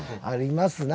あります？